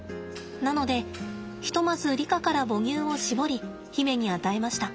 なのでひとまずリカから母乳を搾り媛に与えました。